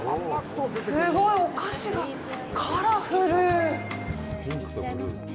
すごいお菓子が、カラフル。